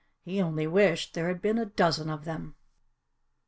He only wished there had been a dozen of them.